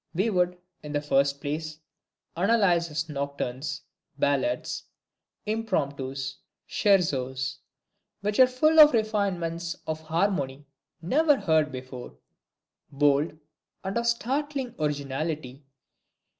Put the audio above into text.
We would, in the first place, analyze his Nocturnes, Ballades, Impromptus, Scherzos, which are full of refinements of harmony never heard before; bold, and of startling originality.